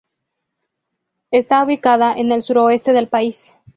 Está ubicada en el sureste del país.